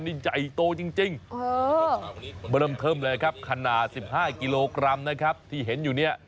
ขนาดสิบห้ากิโลกรัมนะครับที่เห็นอยู่เนี้ย